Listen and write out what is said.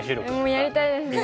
もうやりたいですね。